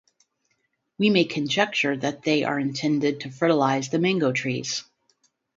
We may conjecture that they are intended to fertilize the mango trees.